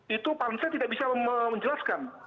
itu pansel tidak bisa menjelaskan